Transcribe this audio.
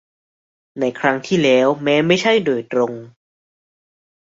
ในครั้งที่แล้วแม้ไม่ใช่โดยตรง